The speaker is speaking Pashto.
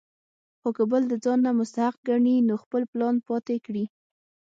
خو کۀ بل د ځان نه مستحق ګڼي نو خپل پلان پاتې کړي ـ